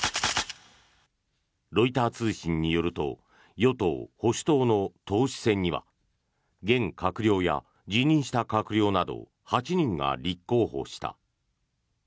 ロイター通信によると与党・保守党の党首選には現閣僚や辞任した閣僚など８人が立候補した。